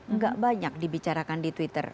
nggak banyak dibicarakan di twitter